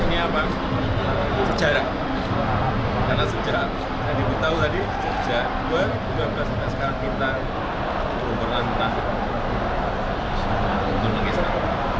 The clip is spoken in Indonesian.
ini apa sejarah karena sejarah tadi kita tahu tadi sejarah dua ribu dua belas dua ribu dua belas sekarang kita belum pernah menang turkmenistan